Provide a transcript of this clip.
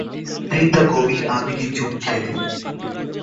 বৃদ্ধা গভীর আবেগে চুমু খেলেন।